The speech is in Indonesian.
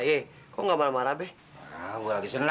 mengapa season five ini